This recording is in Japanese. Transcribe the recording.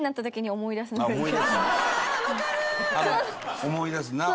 思い出すなあ。